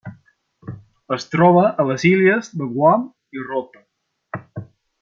Es troba a les illes de Guam i Rota.